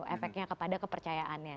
efeknya kepada kepercayaannya